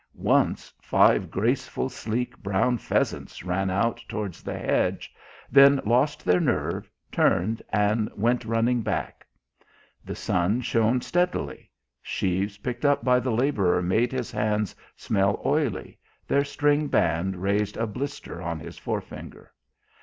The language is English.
Once five graceful, sleek, brown pheasants ran out towards the hedge, then lost their nerve, turned and went running back. The sun shone steadily; sheaves picked up by the labourer made his hands smell oily, their string band raised a blister on his forefinger.